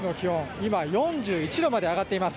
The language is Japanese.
今、４１度まで上がっています。